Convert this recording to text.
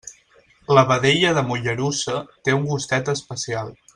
La vedella de Mollerussa té un gustet especial.